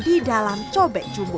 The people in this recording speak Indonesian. di dalam cobek jumbo